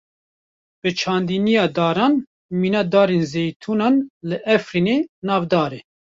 Bi çandiniya daran, mîna darên zeytûnan li Efrînê, navdar e.